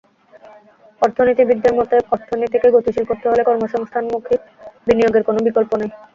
অর্থনীতিবিদদের মতে, অর্থনীতিকে গতিশীল করতে হলে কর্মসংস্থানমুখী বিনিয়োগের কোনো বিকল্প নেই।